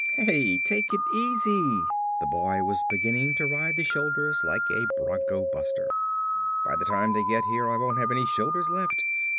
"Hey, take it easy!" The boy was beginning to ride the shoulders like a bronco buster. "By the time they get here I won't have any shoulders left.